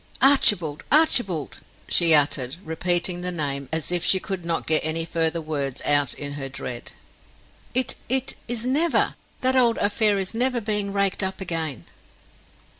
"Archibald, Archibald!" she uttered, repeating the name, as if she could not get any further words out in her dread. "It it is never that old affair is never being raked up again?"